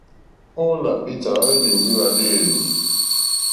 Paul nà Peter hwá hwélì ndí hwàléèlì.